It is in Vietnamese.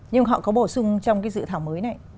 nhưng họ có bổ sung trong cái dự thảo mới này